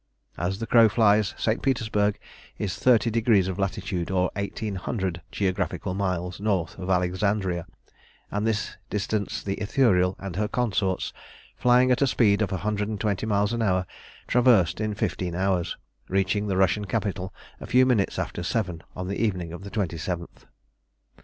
As the crow flies, St. Petersburg is thirty degrees of latitude, or eighteen hundred geographical miles, north of Alexandria, and this distance the Ithuriel and her consorts, flying at a speed of a hundred and twenty miles an hour, traversed in fifteen hours, reaching the Russian capital a few minutes after seven on the evening of the 27th.